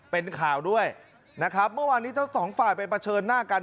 เป็นข่าวด้วยนะครับเมื่อวานนี้ทั้งสองฝ่ายไปเผชิญหน้ากัน